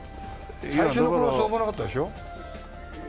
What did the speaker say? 最初の頃はそうでもなかったでしょ。